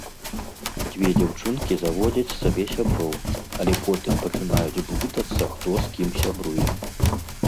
Дзве дзяўчынкі заводзяць сабе сяброў, але потым пачынаюць блытацца, хто з кім сябруе.